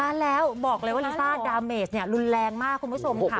แล้วบอกเลยว่าลิซ่าดาเมสเนี่ยรุนแรงมากคุณผู้ชมค่ะ